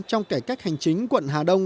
trong cải cách hành chính quận hà đông